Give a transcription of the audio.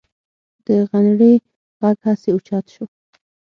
د غنړې غږ هسې اوچت شو.